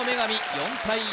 ４対１